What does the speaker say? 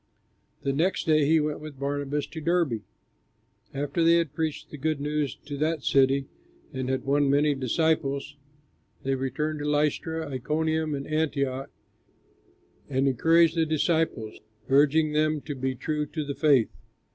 The next day he went with Barnabas to Derbe. After they had preached the good news to that city and had won many disciples, they returned to Lystra, Iconium, and Antioch, and encouraged the disciples urging them to be true to the faith.